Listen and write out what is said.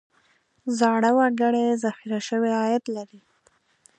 زاړه وګړي ذخیره شوی عاید لري.